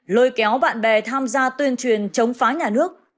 lôi kéo bạn bè tham gia tuyên truyền chống phá nhà nước